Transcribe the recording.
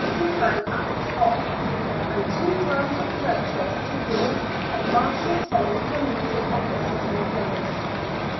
to hang at the top," and two drums were purchased to give a martial tone to the music of the city waits.